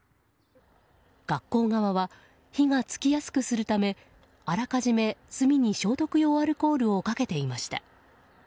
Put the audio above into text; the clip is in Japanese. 学校側は火が付きやすくするためあらかじめ炭に消毒用アルコールをかけていました。